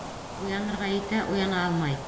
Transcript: Уянырға итә, уяна алмай.